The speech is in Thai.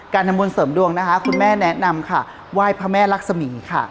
ทำบุญเสริมดวงนะคะคุณแม่แนะนำค่ะไหว้พระแม่รักษมีค่ะ